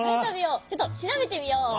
ちょっとしらべてみよう。